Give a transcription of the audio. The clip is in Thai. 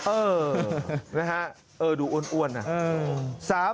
เออนะฮะดูอ้วนน่ะ